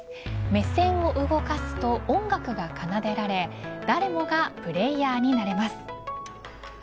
目線を動かすと音楽が奏でられ誰もがプレーヤーになれます。